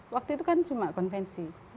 waktu itu kan cuma konvensi